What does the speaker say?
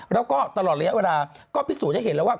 แล้วก็ตลอดระยะเวลาก็พิสูจน์ให้เห็นแล้วว่า